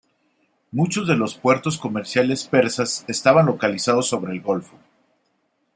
Muchos de los puertos comerciales persas estaban localizados sobre el Golfo.